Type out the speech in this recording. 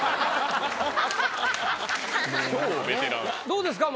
どうですか？